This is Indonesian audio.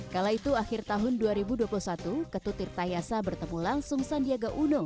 kala itu akhir tahun dua ribu dua puluh satu ketutir tayasa bertemu langsung sandiaga uno